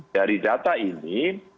dari data ini